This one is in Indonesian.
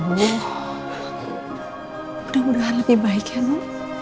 mudah mudahan lebih baik ya dulu